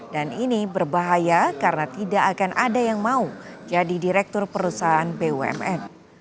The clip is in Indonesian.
dan ini berbahaya karena tidak akan ada yang mau jadi direktur perusahaan bumn